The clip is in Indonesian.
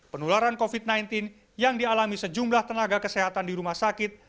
penularan covid sembilan belas yang dialami sejumlah tenaga kesehatan di rumah sakit